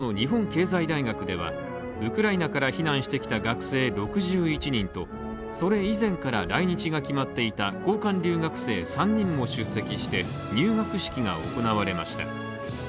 福岡の日本経済大学では、ウクライナから避難してきた学生６１人とそれ以前から来日が決まっていた交換留学生３人も出席して入学式が行われました。